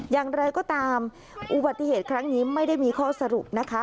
อย่างไรก็ตามอุบัติเหตุครั้งนี้ไม่ได้มีข้อสรุปนะคะ